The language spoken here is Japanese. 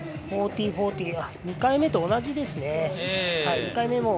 １４４０２回目と同じですね。